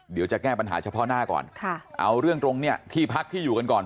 เดี๋ยวจะแก้ปัญหาเฉพาะหน้าก่อนค่ะเอาเรื่องตรงเนี่ยที่พักที่อยู่กันก่อน